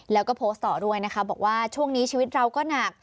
แล้วก็โพสต์ต่อด้วยนะคะบอกว่าช่วงนี้ชีวิตเราก็หนัก